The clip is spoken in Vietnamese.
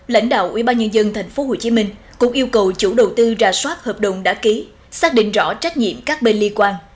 lãnh đạo ubnd tp hcm cũng yêu cầu chủ đầu tư ra soát hợp đồng đã ký xác định rõ trách nhiệm các bên liên quan